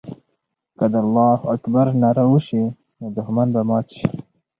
که د الله اکبر ناره وسي، نو دښمن به مات سي.